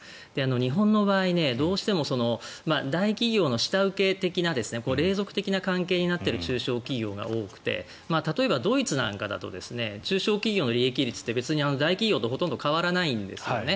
日本の場合、どうしても大企業の下請け的な隷属的な関係になっている中小企業が多くて例えばドイツなんかだと中小企業の利益率って別に大企業とほとんど変わらないんですよね。